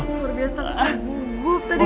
luar biasa tapi saya gugup tadi